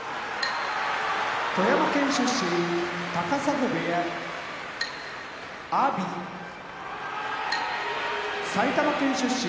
富山県出身高砂部屋阿炎埼玉県出身